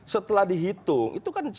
setelah dihitung itu kan